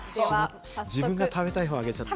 自分が食べたい方を挙げちゃった。